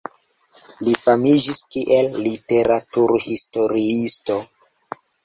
Li famiĝis kiel literaturhistoriisto.